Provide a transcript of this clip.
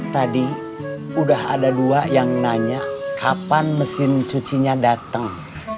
tadi udah ada dua yang nanya kapan mesin cucinya datang